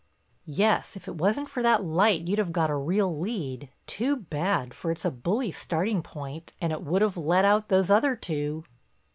"Yes—if it wasn't for that light you'd have got a real lead. Too bad, for it's a bully starting point, and it would have let out those other two."